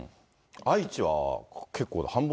愛知は結構、半分。